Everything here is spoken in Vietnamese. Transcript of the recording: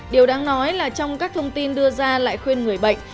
điều đáng nói là trong các thông tin đưa ra lại khuyên người bệnh